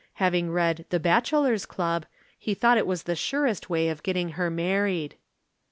Having read "The Bachelors' Club," he thought it was the surest way of getting her married.